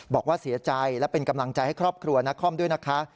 บอกว่าเสียใจและเป็นกำลังใจให้ครอบครัวนครด้วยนะคะ